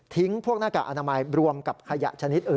พวกหน้ากากอนามัยรวมกับขยะชนิดอื่น